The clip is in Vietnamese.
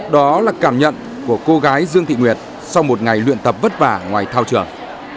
đó là cảm nhận của cô gái dương thị nguyệt sau một ngày luyện tập vất vả ngoài thao trường